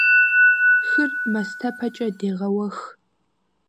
Хыр мастэпэкӀэ дегъэуэх.